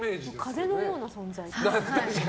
風のような存在。